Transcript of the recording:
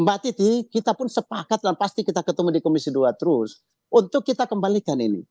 mbak titi kita pun sepakat dan pasti kita ketemu di komisi dua terus untuk kita kembalikan ini